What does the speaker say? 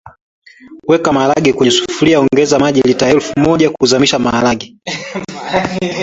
Weka maharage kwenye sufuria ongeza maji lita elfu moja kuzamisha maharage